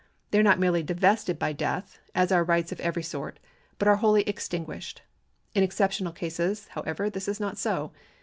They are not merely divested by death (as are rights of every sort), but are wholly extinguished. In exceptional cases, however, this is not so.